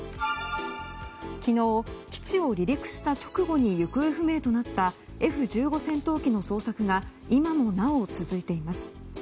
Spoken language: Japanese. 昨日、基地を離陸した直後に行方不明となったＦ１５戦闘機の捜索が今もなお続いています。